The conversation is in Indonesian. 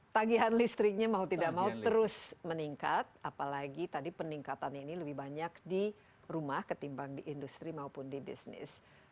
tagihan listriknya mau tidak mau terus meningkat apalagi tadi peningkatannya ini lebih banyak di rumah ketimbang di industri maupun di bisnis